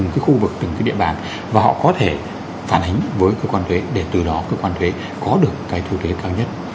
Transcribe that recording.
từng khu vực từng cái địa bàn và họ có thể phản ánh với cơ quan thuế để từ đó cơ quan thuế có được cái thu thuế cao nhất